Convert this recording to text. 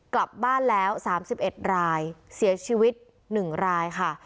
กลับบ้านแล้วสามสิบเอ็ดรายเสียชีวิตหนึ่งรายค่ะ